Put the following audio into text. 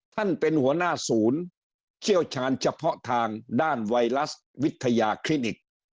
ท่านเป็นหัวหน้าศูนย์เชี่ยวชาญเฉพาะทางด้านไวรัสวิทยาคลินิก